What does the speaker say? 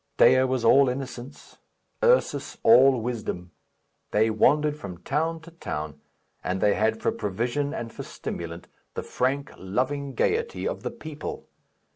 Dea was all innocence; Ursus, all wisdom. They wandered from town to town; and they had for provision and for stimulant the frank, loving gaiety of the people.